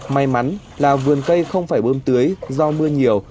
may mắn là vườn cây không phải bơm tưới do mưa nhiều